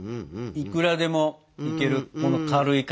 いくらでもいけるこの軽い感じ。